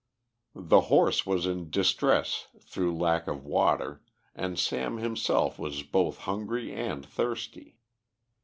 The horse was in distress through lack of water, and Sam himself was both hungry and thirsty.